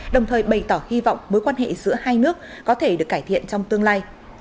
đồng thời bày tỏ hy vọng mối quan hệ giữa hai nước có thể được cải thiện trong tương lai